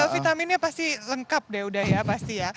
vitaminnya pasti lengkap deh udah ya pasti ya